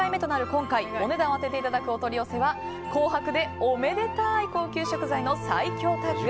今回お値段を当てていただくお取り寄せは紅白でおめでたい高級食材の最強タッグ。